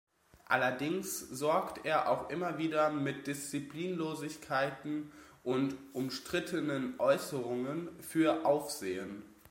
Allerdings sorgt er auch immer wieder mit Disziplinlosigkeiten und umstrittenen Äußerungen für Aufsehen.